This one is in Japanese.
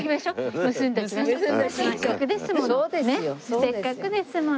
せっかくですもの。